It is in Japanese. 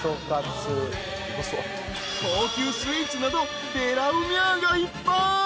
［高級スイーツなどでらうみゃあがいっぱい］